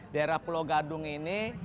daerah pulau gadung ini